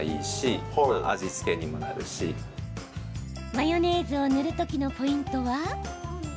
マヨネーズを塗る時のポイントは。